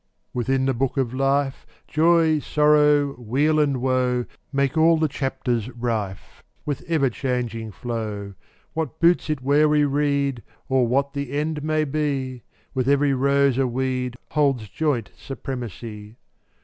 0Utt<$ 417 Within the Book of Life ftttt&t Joy, sorrow, weal and woe ry ^ Make all the chapters rife \J*£' With ever changing flow. What boots it where we read, Or what the end may be? With every rose a weed Holds joint supremacy.